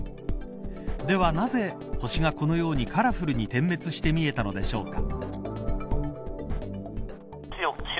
では、なぜ星がこのようにカラフルに点滅して見えたのでしょうか。